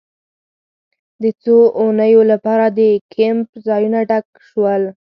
د څو اونیو لپاره د کیمپ ټول ځایونه ډک وي